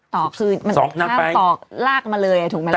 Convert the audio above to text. ต่อกคือถ้าต่อกลากมาเลยถูกไหมล่ะ